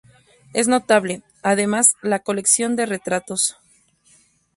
Es notable, además, la colección de retratos.